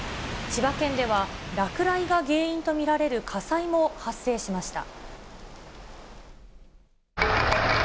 千葉県では落雷が原因と見られる火災も発生しました。